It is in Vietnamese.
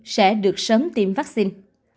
sẽ được sớm tìm vaccine